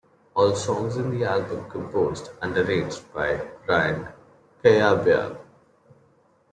All songs in the album composed and arranged by Ryan Cayabyab.